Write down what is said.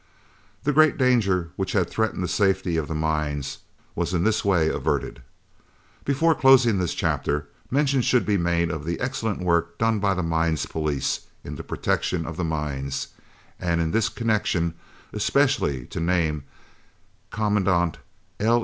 The great danger which had threatened the safety of the mines was in this way averted. Before closing this chapter, mention should be made of the excellent work done by the Mines Police in the protection of the mines, and in this connection especially to name Commandant L.